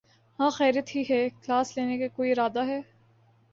ہاں خیریت ہی ہے۔۔۔ کلاس لینے کا کوئی ارادہ ہے؟